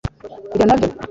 ibyo na byo